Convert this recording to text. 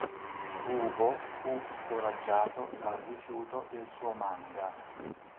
Kubo fu scoraggiato dal rifiuto del suo manga.